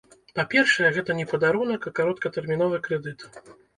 Па-першае, гэта не падарунак, а кароткатэрміновы крэдыт.